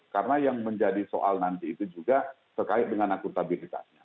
karena yang menjadi soal nanti itu juga terkait dengan akuntabilitasnya